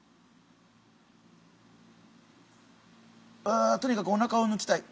うとにかくおなかをぬきたい！